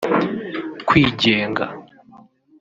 kwigenga